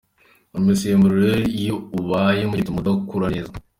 Uyu musemburo rero iyo ubaye muke bituma adakura neza.